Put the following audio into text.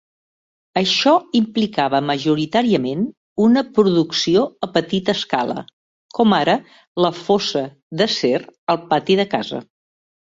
Això implicava majoritàriament una producció a petita escala, com ara la fosa d'acer "al pati de casa".